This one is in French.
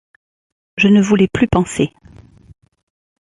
Je ne voulais plus penser.